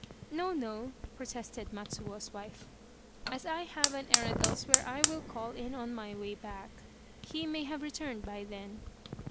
" No, no," protested Matsuo's wife, " as I have an errand elsewhere I will call in on my way back. He may have returned by then."